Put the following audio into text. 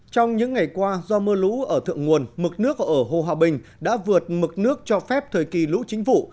trong những ngày qua do mưa lũ ở thượng nguồn mực nước ở hồ hòa bình đã vượt mực nước cho phép thời kỳ lũ chính vụ